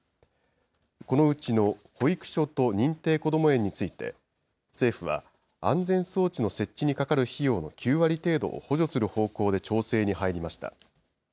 このうちの保育所と認定こども園について、政府は、安全装置の設置にかかる費用の９割程度を補助する方向で調整に入りました。